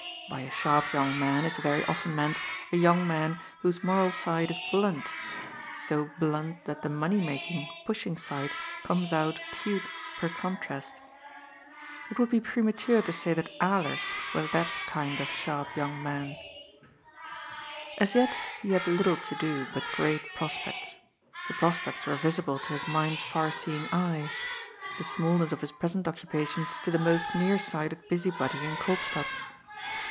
By a sharp young man is very often meant a young man whose moral side is blunt, so blunt that the money making, pushing side comes out cute per contrast. It would be premature to say that Alers was that kind of sharp young man. 124 GOD'S FOOL. As yet he had little to do, bnt great prdspects. The prospects were yisible to his mind's far seeing eye; the smallness of his present occupations to the most near sighted busybody in Koopstad.